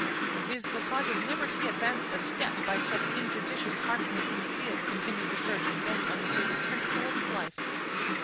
"Is the cause of liberty advanced a step by such injudicious harshness in the field?" continued the surgeon, bent on the favorite principle of his life.